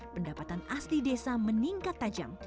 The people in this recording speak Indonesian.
pendapatan asli desa meningkat tajam